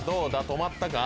止まったか？